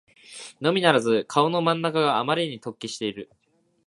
のみならず顔の真ん中があまりに突起している